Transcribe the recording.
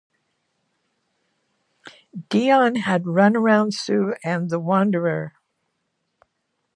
Dion had 'Runaround Sue' and 'The Wanderer'.